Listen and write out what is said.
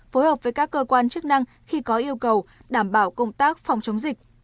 phối hợp với các cơ quan chức năng khi có yêu cầu đảm bảo công tác phòng chống dịch